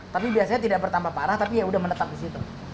tapi biasanya tidak bertambah parah tapi ya udah menetap disitu